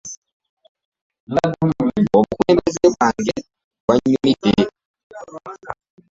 Obukulembeze bwange bwanyumidde .